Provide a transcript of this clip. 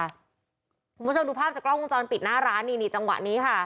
คุณผู้ชมดูภาพจากกล้องวงจรปิดหน้าร้านนี่นี่จังหวะนี้ค่ะ